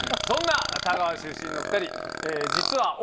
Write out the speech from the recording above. そんな田川出身の２人実は。